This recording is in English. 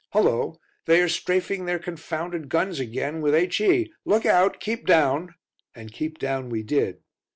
Hullo! they are 'strafing' their confounded guns again with H.E. Look out! keep down!" And keep down we did.